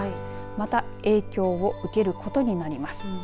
また影響を受けることになります。